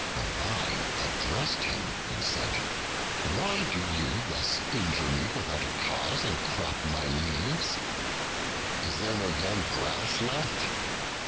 The Vine addressed him and said: "Why do you thus injure me without a cause, and crop my leaves? Is there no young grass left?